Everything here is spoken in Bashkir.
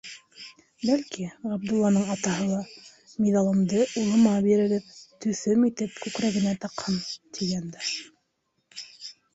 Бәлки, Ғабдулланың атаһы ла: «Миҙалымды улыма бирегеҙ, төҫөм итеп, күкрәгенә таҡһын», - тигәндер.